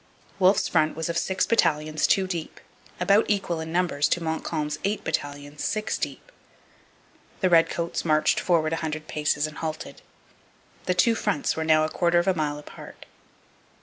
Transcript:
Wolfe's front was of six battalions two deep, about equal in numbers to Montcalm's eight battalions six deep. The redcoats marched forward a hundred paces and halted. The two fronts were now a quarter of a mile apart.